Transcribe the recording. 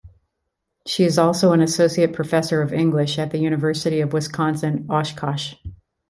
She is also an Associate professor of English at the University of Wisconsin-Oshkosh.